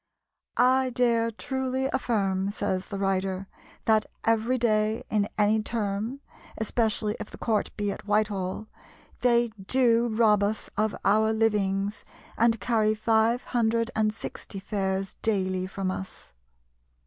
"I dare truly affirm," says the writer, "that every day in any term (especially if the court be at Whitehall) they do rob us of our livings and carry five hundred and sixty fares daily from us."